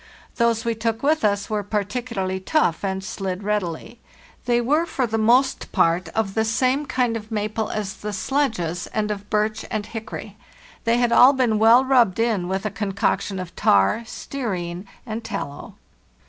Those we took with us were particularly tough, and slid readily. They were, for the most part, of the same kind of maple as the sledges, and of birch and hickory. They had all been well rubbed in with a concoction of tar, stearine, and tallow.